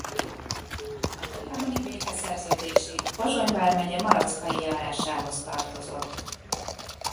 A trianoni békeszerződésig Pozsony vármegye Malackai járásához tartozott.